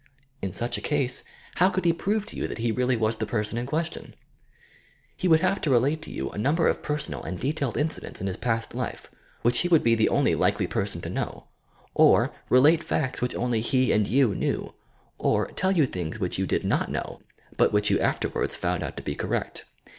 In such a case, how THE SUBCONSCIOUS 45 could he prove to you that he really waa the person in question t He would have to relate to you a number of personal and detailed incidents in his past life, which he would be the only likely person to know ; or, relate facta which only he and you knew ; or, tell you things which you did not know, but which you afterwards found out to be correct.